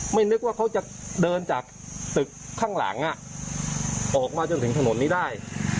นึกว่าเขาจะเดินจากตึกข้างหลังออกมาจนถึงถนนนี้ได้